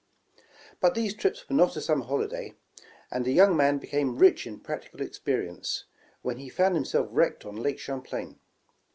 But these trips were not a summer holiday, and the young man became rich in practical experience, when he found himself wrecked on Lake Cliamplain.